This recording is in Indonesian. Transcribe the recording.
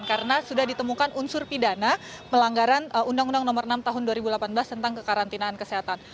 karena sudah ditemukan unsur pidana melanggaran undang undang nomor enam tahun dua ribu delapan belas tentang kekarantinaan kesehatan